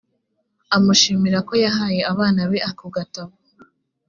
amushimira ko yahaye abana be ako gatabo